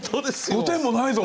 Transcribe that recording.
５点もないぞ！